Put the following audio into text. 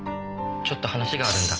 ちょっと話があるんだ。